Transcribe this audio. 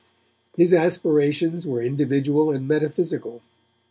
His aspirations were individual and metaphysical.